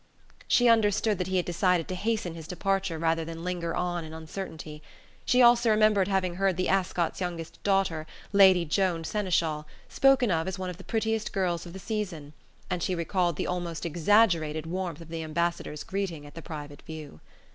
She understood that he had decided to hasten his departure rather than linger on in uncertainty; she also remembered having heard the Ascots' youngest daughter, Lady Joan Senechal, spoken of as one of the prettiest girls of the season; and she recalled the almost exaggerated warmth of the Ambassador's greeting at the private view.